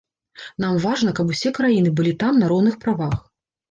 Нам важна, каб усе краіны былі там на роўных правах.